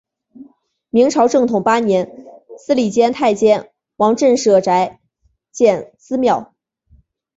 明朝正统八年司礼监太监王振舍宅建私庙。